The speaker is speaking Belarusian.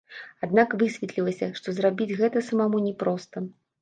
Аднак высветлілася, што зрабіць гэта самому не проста.